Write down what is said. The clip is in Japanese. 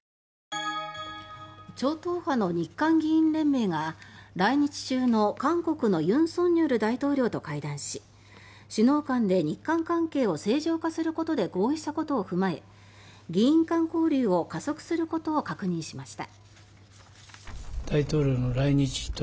超党派の日韓議員連盟が来日中の韓国の尹錫悦大統領と会談し首脳間で日韓関係を正常化することで合意したことを踏まえ議員間交流を加速することを確認しました。